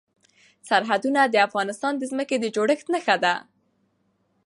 سرحدونه د افغانستان د ځمکې د جوړښت نښه ده.